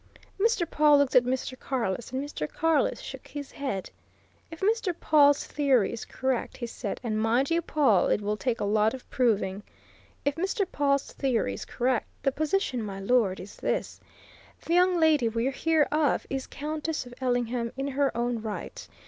Mr. Pawle looked at Mr. Carless, and Mr. Carless shook his head. "If Mr. Pawle's theory is correct," he said, "and mind you, Pawle, it will take a lot of proving. If Mr. Pawle's theory is correct, the position, my lord, is this. The young lady we hear of is Countess of Ellingham in her own right!